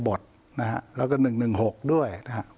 กะบดนะครับแล้วก็๑๑๖ด้วยนะครับ